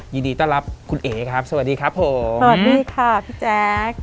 ยินดีต้อนรับคุณเอ๋ครับสวัสดีครับผมสวัสดีค่ะพี่แจ๊ค